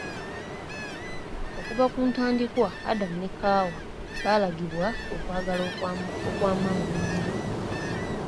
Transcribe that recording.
Okuva ku ntandikwa Adamu ne Kaawa baalagibwa okwagala okw'amaanyi ennyo.